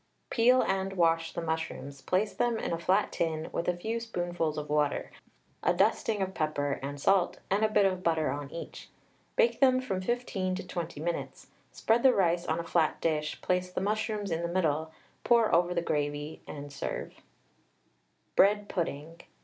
Peel and wash the mushrooms, place them in a flat tin with a few spoonfuls of water, a dusting of pepper and salt and a bit of butter on each. Bake them from 15 to 20 minutes, spread the rice on a flat dish, place the mushrooms in the middle, pour over the gravy, and serve. BREAD PUDDING.